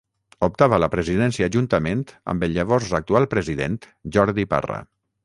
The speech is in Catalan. Optava a la presidència juntament amb el llavors actual president Jordi Parra.